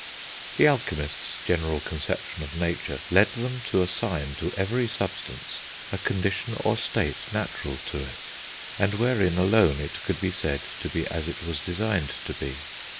The alchemists' general conception of nature led them to assign to every substance a condition or state natural to it, and wherein alone it could be said to be as it was designed to be.